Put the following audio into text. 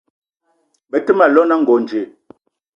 Be te ma llong na Ngonj